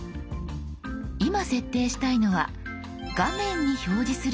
今設定したいのは「画面に表示する文字の大きさ」。